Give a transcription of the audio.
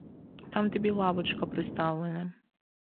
Там тобі лавочка приставлена.